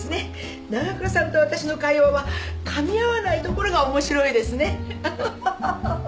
長倉さんと私の会話はかみ合わないところが面白いですね。